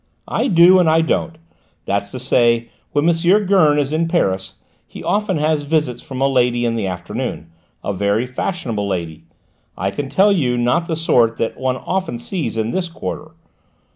"I do and I don't. That's to say, when M. Gurn is in Paris, he often has visits from a lady in the afternoon: a very fashionable lady, I can tell you, not the sort that one often sees in this quarter.